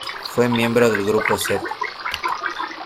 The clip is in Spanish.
Fue miembro del "Grupo Z".